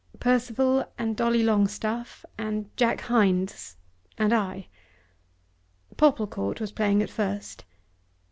"Percival, and Dolly Longstaff, and Jack Hindes, and I. Popplecourt was playing at first."